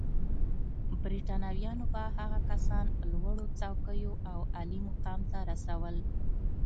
برېټانویانو به هغه کسان لوړو څوکیو او عالي مقام ته رسول.